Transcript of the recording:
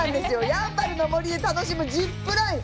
やんばるの森で楽しむジップライン。